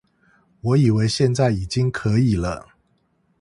我以為現在已經可以了